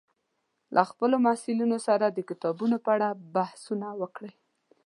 له خپلو محصلینو سره د کتابونو په اړه بحثونه وکړئ